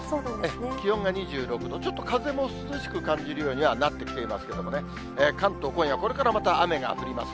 気温が２６度、ちょっと風も涼しく感じるようにはなってきてますけどね、関東、今夜これからまたまた雨が降ります。